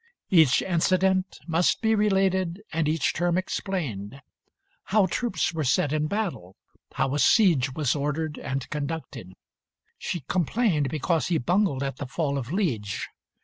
Each incident XXV Must be related and each term explained. How troops were set in battle, how a siege Was ordered and conducted. She complained Because he bungled at the fall of Liege.